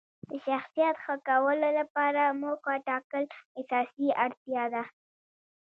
د شخصیت ښه کولو لپاره موخه ټاکل اساسي اړتیا ده.